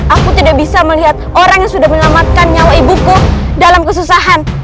aku tidak bisa melihat orang yang sudah menyelamatkan nyawa ibuku dalam kesusahan